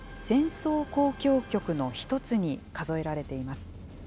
戦争交響曲の一つに数えられています。